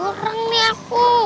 kurang nih aku